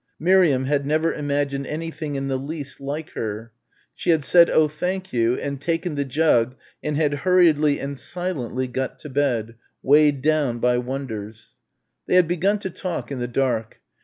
Miriam had never imagined anything in the least like her. She had said, "Oh, thank you," and taken the jug and had hurriedly and silently got to bed, weighed down by wonders. They had begun to talk in the dark.